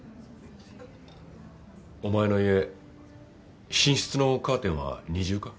お前の家寝室のカーテンは二重か？